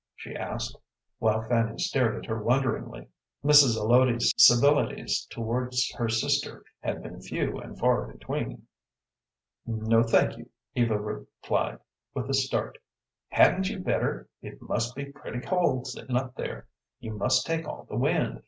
she asked, while Fanny stared at her wonderingly. Mrs. Zelotes's civilities towards her sister had been few and far between. "No, thank you," Eva replied, with a start. "Hadn't you better? It must be pretty cold sitting up there. You must take all the wind.